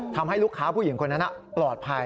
ทำให้ลูกค้าผู้หญิงคนนั้นปลอดภัย